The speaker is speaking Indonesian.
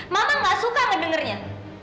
mama nggak suka ngedengernya